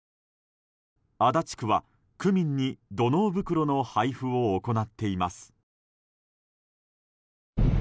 足立区は区民に土のう袋の配布を行っています。